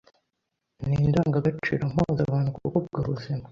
ni indangagaciro mpuzabantu kuko ubwo buzima